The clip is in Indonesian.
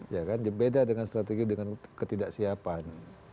ya kan beda dengan strategi dengan ketidaksiapan